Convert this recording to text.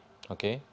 senjatanya kita ambil